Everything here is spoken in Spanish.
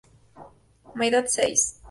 My Dad Says".